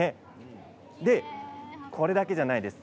これだけじゃないですよ。